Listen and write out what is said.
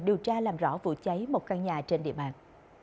điều tra làm rõ vụ cháy một căn nhà trên địa bàn